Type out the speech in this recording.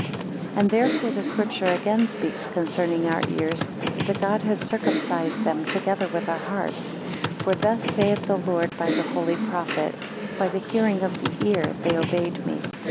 AND therefore the Scripture again speaks concerning our ears, that God has circumcised them, together with our hearts. For thus saith the Lord by the holy prophet: By the hearing of the ear they obeyed me.